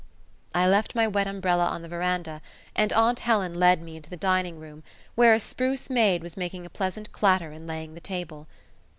I left my wet umbrella on the veranda, and aunt Helen led me into the dining room, where a spruce maid was making a pleasant clatter in laying the table.